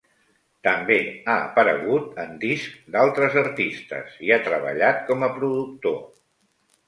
També ha aparegut en discs d'altres artistes i ha treballat com a productor.